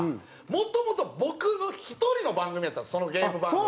もともと僕の１人の番組やったんですそのゲーム番組。